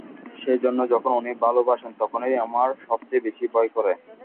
সেই জন্যেই যখন উনি ভালোবাসেন তখনই আমার সব চেয়ে বেশি ভয় করে।